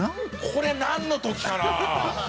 これなんの時かな？